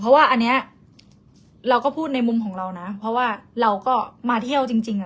เพราะว่าอันนี้เราก็พูดในมุมของเรานะเพราะว่าเราก็มาเที่ยวจริงอ่ะ